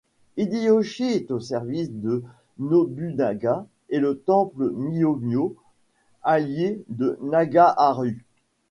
Hideyoshi est au service de Nobunaga et le temple Myōyō allié de Nagaharu.